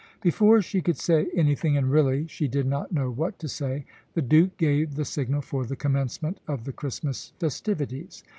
Before she could say anything, and really she did not know what to say, the Duke gave the signal for the commencement of the Christmas festivities.